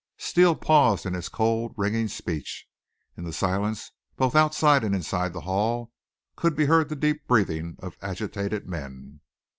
Steele paused in his cold, ringing speech. In the silence, both outside and inside the hall, could be heard the deep breathing of agitated men.